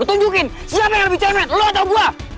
lo tunjukin siapa yang lebih cemen lo atau gue